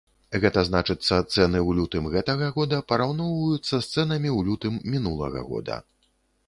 Гэта значыцца цэны ў лютым гэтага года параўноўваюцца з цэнамі ў лютым мінулага года.